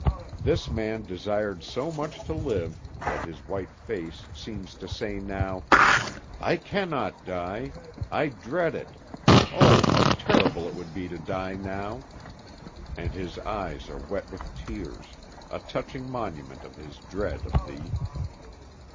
This man desired so much to live that his white face seems to say now: "I cannot die; I dread it Oh, how terrible it would be to die now!" And his eyes are wet with tears; a touching monument of his dread of thee!